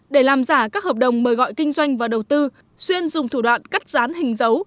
để làm giả các hợp đồng mời gọi kinh doanh và đầu tư xuyên dùng thủ đoạn cắt rán hình dấu